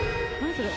それ。